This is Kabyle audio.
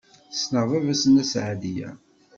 Ssneɣ baba-s n Nna Seɛdiya.